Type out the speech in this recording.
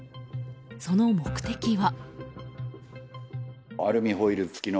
その目的は。